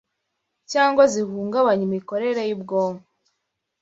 cyangwa zihungabanya imikorere y'ubwonko